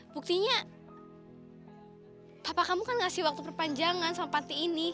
buktinya papa kamu kan ngasih waktu perpanjangan sampai ini